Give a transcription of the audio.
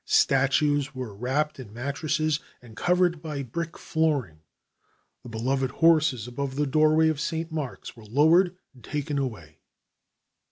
Statues were wrapped in mattresses and covered by brick flooring; the beloved horses above the doorway of St. Mark's were lowered and taken away.